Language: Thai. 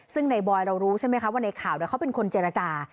ซึ่งในบอยเรารู้ใช่ไหมคะว่าในข่าวเขาเป็นคนเจรจา